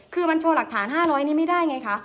คือมันส่งรักฐาน๕๐๐คนไม่ได้ไงคะ